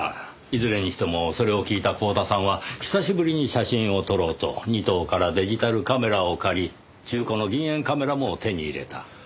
いずれにしてもそれを聞いた光田さんは久しぶりに写真を撮ろうと仁藤からデジタルカメラを借り中古の銀塩カメラも手に入れた。